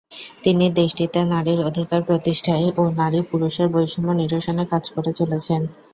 তিনি দেশটিতে নারীর অধিকার প্রতিষ্ঠায় ও নারী পুরুষের বৈষম্য নিরসনে কাজ করে চলেছেন।